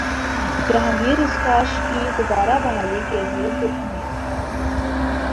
Jahangir squash کی دوبارہ بحالی کیلئے پرامید